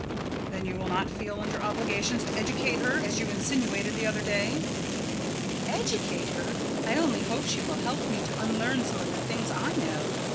"Then you will not feel under obligations to educate her, as you insinuated the other day?" "Educate her! I only hope she will help me to unlearn some of the things I know.